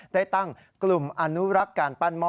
ได้ตั้งกลุ่มอนุรักษ์การปั้นห้อ